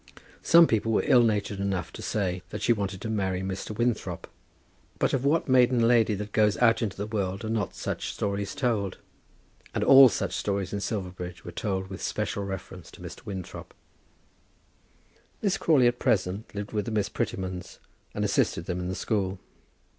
Some people were ill natured enough to say that she wanted to marry Mr. Winthrop; but of what maiden lady that goes out into the world are not such stories told? And all such stories in Silverbridge were told with special reference to Mr. Winthrop. Miss Crawley, at present, lived with the Miss Prettymans, and assisted them in the school.